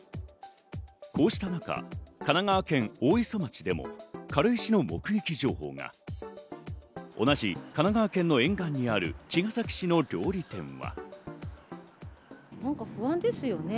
こうした中、神奈川県大磯町でも軽石の目撃情報が同じ神奈川県の沿岸にある茅ケ崎市の料理店は。